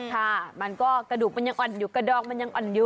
ค่ะมันก็กระดูกมันยังอ่อนอยู่กระดอกมันยังอ่อนอยู่